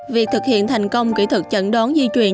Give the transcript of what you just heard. việc thực hiện thành công kỹ thuật chẩn đoán di truyền